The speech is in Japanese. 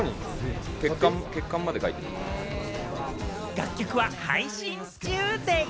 楽曲は配信中でぃす。